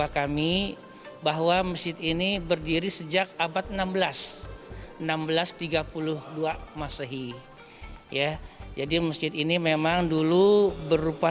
kami bahwa masjid ini berdiri sejak abad enam belas enam belas tiga puluh dua masehi ya jadi masjid ini memang dulu berupa